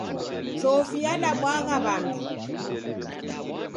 Chofi yadabwagha w'andu.